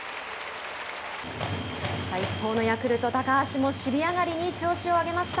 一方のヤクルト高橋も尻上がりに調子を上げました。